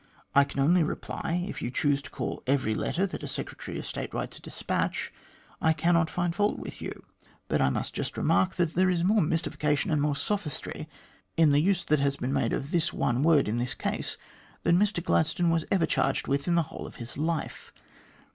I can only reply, if you choose to call every letter that a Secretary of State writes, a ' despatch,' I cannot find fault with you, but I must just remark that there is more mystification and more sophistry in the use that has been made of this one word in this case than Mr Gladstone was ever charged with in the whole course of his life.